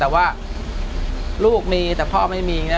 แต่ว่าลูกมีแต่พ่อไม่มี